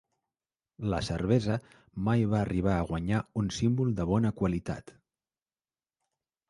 La cervesa mai va arribar a guanyar un símbol de bona qualitat.